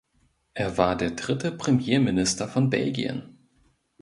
Er war der dritte Premierminister von Belgien.